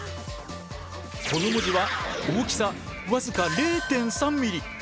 この文字は大きさ僅か０．３ミリ。